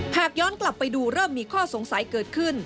หากย้อนกลับไปดูเริ่มมีข้อสงสัยเกิดขึ้น